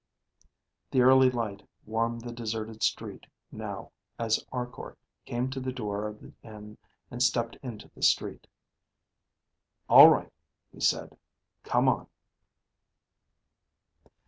The early light warmed the deserted street now as Arkor came to the door of the inn and stepped into the street. "All right," he said. "Come on."